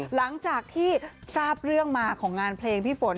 หลังจากที่ทราบเรื่องมาของงานเพลงพี่ฝน